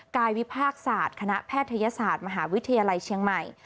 กายวิภาคศาสตร์คณะแพทยศาสตร์มหาวิทยาลัยเชียงใหม่